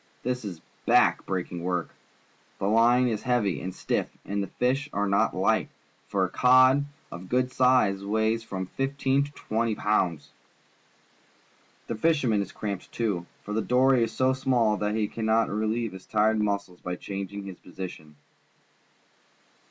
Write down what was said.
This is back breaking work. The line is hea^y and stiff, and the fish are not light, for a cod of good size weighs from fifteen to twenty pounds. The fisherman is cramped, too, for the dory is so small that he cannot relie^'e his tired muscles by changing his position.